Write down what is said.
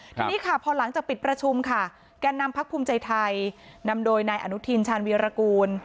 ทีนี้ค่ะพอหลังจากปิดประชุมค่ะแก่นำพักภูมิใจไทยนำโดยนายอนุทินชาญวีรกูล